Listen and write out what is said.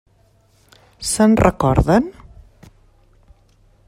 Se'n recorden?